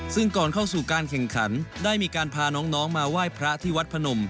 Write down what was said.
ซึ่งก่อนเข้าสู่การแข่งขันได้มีการพาน้องมาไหว้พระที่วัดพนม